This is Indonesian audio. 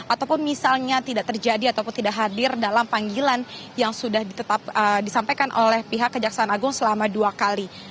ataupun misalnya tidak terjadi ataupun tidak hadir dalam panggilan yang sudah disampaikan oleh pihak kejaksaan agung selama dua kali